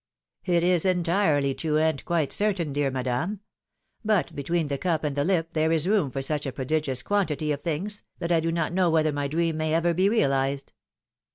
^^It is entirely true, and quite certain, dear Madame; but between the cup and the lip there is room for such a prodigious quantity of things, that I do not know whether my dream may ever be realized